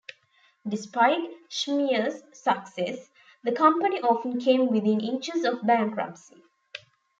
Despite Schmeisser's success, the company often came within inches of bankruptcy.